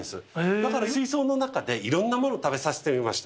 だから水槽の中でいろんなものを食べさせてみました。